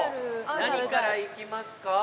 何からいきますか？